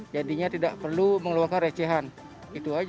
jadinya tidak perlu mengeluarkan recehan itu aja